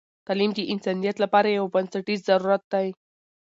تعلیم د انسانیت لپاره یو بنسټیز ضرورت دی.